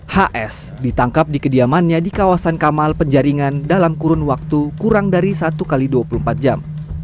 hs ditangkap di kediamannya di kawasan kamal penjaringan dalam kurun waktu kurang dari satu x dua puluh empat jam